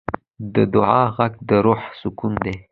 د دعا غږ د روح سکون دی.